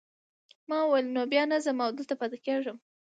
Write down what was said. ما وویل نو بیا نه ځم او دلته پاتې کیږم.